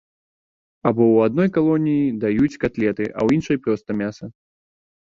Або ў адной калоніі даюць катлеты, а ў іншай проста мяса.